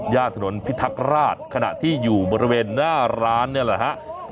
ย่านถนนพิทักราชขณะที่อยู่บริเวณหน้าร้านนี่แหละฮะ